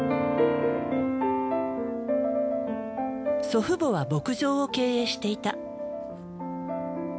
祖父母は牧場を経営していた。